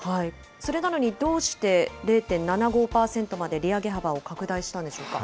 それなのに、どうして０．７５％まで利上げ幅を拡大したんでしょうか。